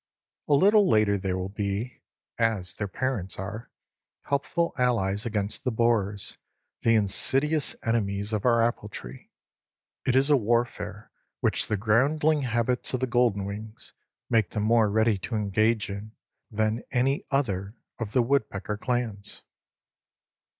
A little later they will be, as their parents are, helpful allies against the borers, the insidious enemies of our apple tree. It is a warfare which the groundling habits of the golden wings make them more ready to engage in than any other of the woodpecker clans.